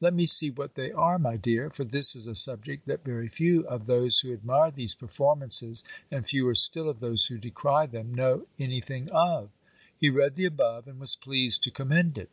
"Let me see what they are, my dear; for this is a subject that very few of those who admire these performances, and fewer still of those who decry them, know any thing of." He read the above, and was pleased to commend it.